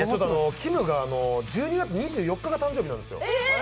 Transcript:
きむが、１２月２４日が誕生日なんですよ。